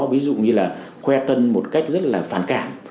ví dụ như là khoe tân một cách rất là phản cảm